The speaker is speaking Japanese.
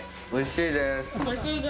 おいしいです！